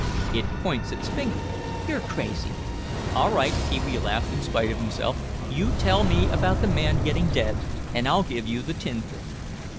"It points its finger." "You're crazy." "All right," Pee wee laughed in spite of himself. "You tell me about the man getting dead and I'll give you the tin thing."